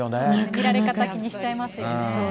見られ方、気にしちゃいますよね。